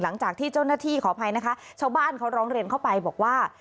หลังจากที่เจ้าหน้าที่ขออภัยนะคะชาวบ้านเขาร้องเรียนเข้าไปบอกว่า